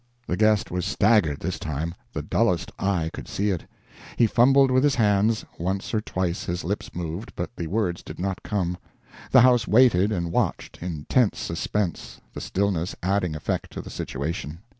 The guest was staggered this time the dullest eye could see it. He fumbled with his hands; once or twice his lips moved, but the words did not come. The house waited and watched, in tense suspense, the stillness adding effect to the situation.